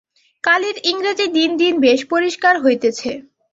কালীর ইংরেজী দিন দিন বেশ পরিষ্কার হইতেছে।